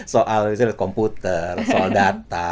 soal misalnya komputer soal data